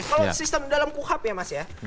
kalau sistem dalam kuhap ya mas ya